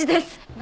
何！？